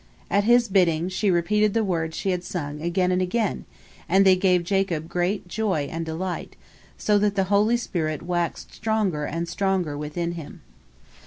At his bidding, she repeated the words she had sung again and again, and they gave Jacob great joy and delight, so that the holy spirit waxed stronger and stronger within him.